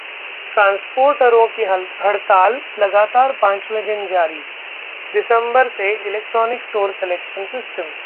ट्रांसपोर्टरों की हड़ताल लगातार पांचवें दिन जारी, दिसंबर से इलेक्ट्रॉनिक टोल कलेक्शनल सिस्टम